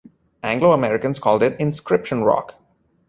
Anglo-Americans called it Inscription Rock.